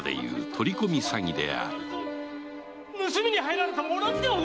盗みに入られたも同じです！